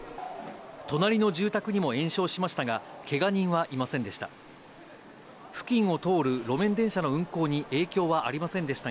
隣の住宅にも延焼しましたが、けが人はいませんでした。